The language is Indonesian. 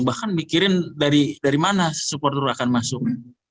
bahkan mikirin dari mana supporter akan masuk